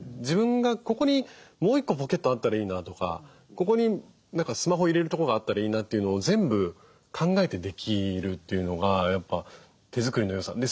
自分がここにもう１個ポケットあったらいいなとかここに何かスマホ入れるとこがあったらいいなというのを全部考えてできるというのがやっぱ手作りの良さ。